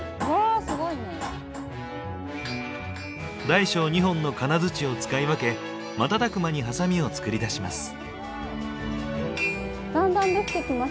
大小２本の金づちを使い分け瞬く間にハサミを作り出します。